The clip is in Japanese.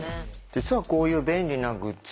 実はこういう便利なグッズ